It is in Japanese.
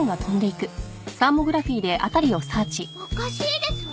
おかしいですわ。